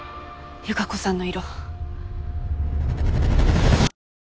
由香子さんの色。